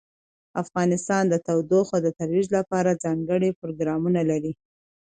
افغانستان د تودوخه د ترویج لپاره ځانګړي پروګرامونه لري.